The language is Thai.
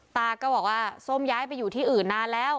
ตาก็บอกว่าส้มย้ายไปอยู่ที่อื่นนานแล้ว